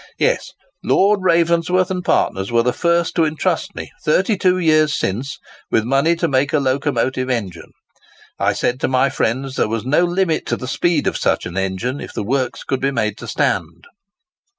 Yes; Lord Ravensworth and partners were the first to entrust me, thirty two years since, with money to make a locomotive engine. I said to my friends, there was no limit to the speed of such an engine, if the works could be made to stand."